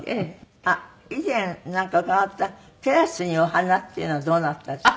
あっ以前なんか伺ったテラスにお花っていうのはどうなったんですか？